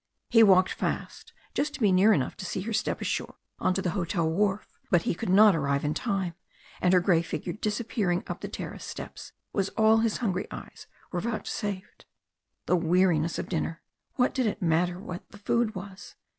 He walked fast, just to be near enough to see her step ashore on to the hotel wharf, but he could not arrive in time, and her grey figure disappearing up the terrace steps was all his hungry eyes were vouchsafed. The weariness of dinner! What did it matter what the food was?